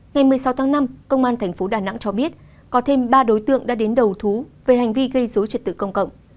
ngày một mươi sáu tháng năm công an tp đà nẵng cho biết có thêm ba đối tượng đã đến đầu thú về hành vi gây dối trật tự công cộng